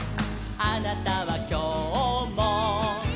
「あなたはきょうも」